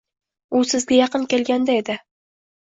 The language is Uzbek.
U sizga yaqin kelganda edi.